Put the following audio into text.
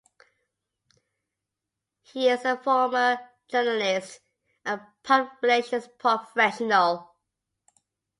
He is a former journalist and public relations professional.